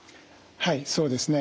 はいそうですね。